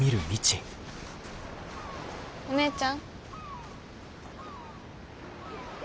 お姉ちゃん。